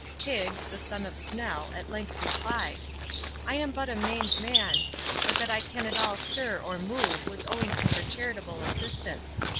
Higg, the son of Snell, at length replied, "I am but a maimed man, but that I can at all stir or move was owing to her charitable assistance.